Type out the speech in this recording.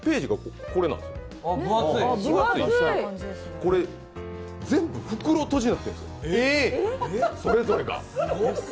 これ、全部袋とじになってるんですそれぞれが。